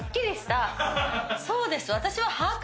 そうです。